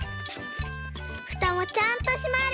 ふたもちゃんとしまる。